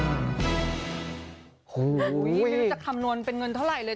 ไม่รู้จะคำนวณเป็นเงินเท่าไหร่เลย